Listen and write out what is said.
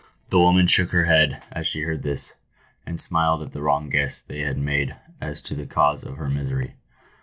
The woman shook her head as she heard this, and smiled at the wrong guess they had made as to the cause of her misery.